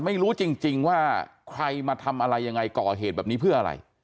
ไม่รู้จริงว่าใครมาทำอะไรยังไงก่อเหตุแบบนี้เพื่ออะไร